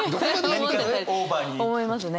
思いますね。